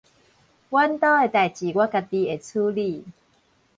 阮兜的代誌我家己會處理